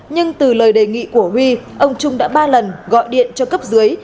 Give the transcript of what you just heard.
nhưng từ lời đề nghị của huy ông trung đã ba lần gọi điện cho cấp dưới